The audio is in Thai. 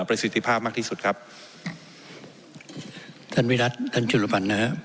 ประสิทธิภาพมากที่สุดครับท่านวิรัติท่านจุลพันธ์นะฮะ